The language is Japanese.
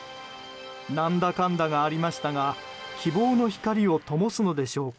何だかんだがありましたが希望の光をともすのでしょうか。